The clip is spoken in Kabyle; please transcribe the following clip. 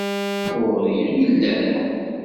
Ɣuṛ-i i llan.